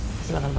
oke silahkan pak